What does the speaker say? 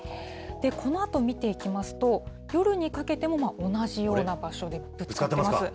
このあと見ていきますと、夜にかけても同じような場所でぶつかります。